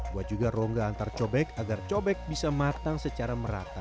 buat juga rongga antar cobek agar cobek bisa matang secara merata